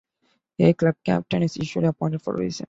A "club captain" is usually appointed for a season.